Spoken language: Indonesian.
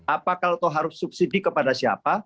apakah itu harus subsidi kepada siapa